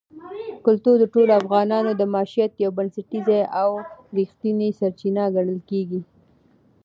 کلتور د ټولو افغانانو د معیشت یوه بنسټیزه او رښتینې سرچینه ګڼل کېږي.